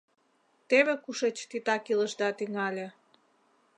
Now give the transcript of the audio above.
Теве кушеч титак илышда тӱҥале.